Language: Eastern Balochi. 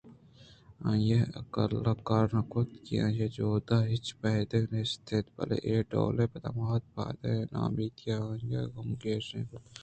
آئی ءِعقل ءَ کار نہ کُت کہ آئی ءِ جہداں ہچ پائدگ نیست اَت بلئے اے ڈولیں پد ماں پد ءِ ناامیتی آں آئی ءِ غم گیش کُت اَنت